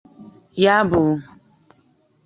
ya bụ